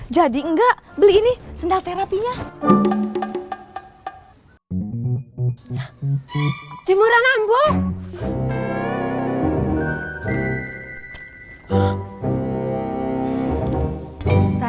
jadi engga beli ini sendal terapinya